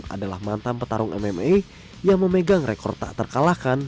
adalah mantan petarung mma yang memegang rekor tak terkalahkan